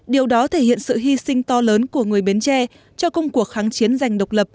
điều đó thể hiện sự hy sinh to lớn của người bến tre cho công cuộc kháng chiến giành độc lập